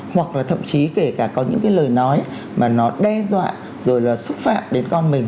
hoặc là thậm chí kể cả có những cái lời nói mà nó đe dọa rồi là xúc phạm đến con mình